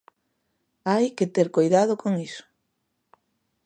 Hai que ter coidado con iso.